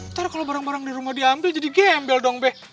ntar kalau barang barang di rumah diambil jadi gembel dong beh